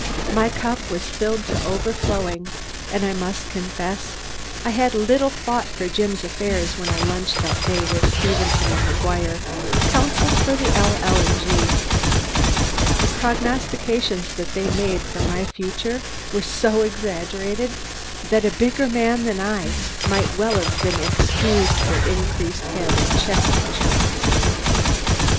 My cup was filled to overflowing, and I must confess I had little thought for Jim's affairs when I lunched that day with Stevenson and McGuire, councils for the L. L. & G. The prognostications that they made for my future were so exaggerated that a bigger man than I might well have been excused for increased head and chest measurements.